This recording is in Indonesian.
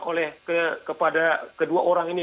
oleh kepada kedua orang ini